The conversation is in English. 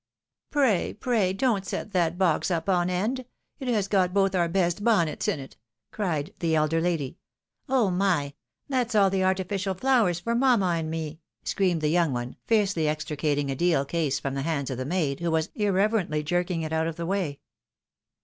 " Pray, pray don't set that box up on end ! It has got both our best bonnets in it !" cried the elderly lady. " Oh, my ! that's aU the artificial flowers for mamma and me !" screamed the young one, fiercely extricating a deal case from the hands of the maid, who was irreverently jerking it out the way.